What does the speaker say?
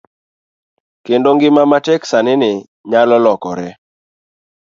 Kendo ngima matek sani ni nyalo lokore.